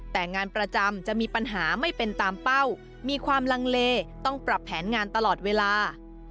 แต่งานประจำจะมีปัญหาไม่เป็นตามเป้ามีความลังเลต้องปรับแผนงานตลอดเวลา